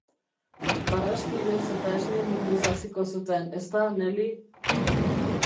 Barraskiloz eta esne minduz haziko zuten, ezta, Nelly?